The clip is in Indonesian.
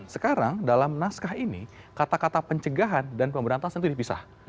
sekarang dalam naskah ini kata kata pencegahan dan pemberantasan itu dipisah